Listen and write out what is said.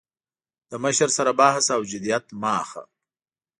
له مشر سره بحث او جدیت مه اخله.